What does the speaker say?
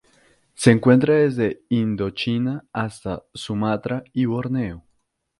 Se encuentra desde Indochina hasta Sumatra y Borneo.